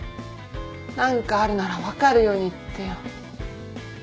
何かあるなら分かるように言ってよ。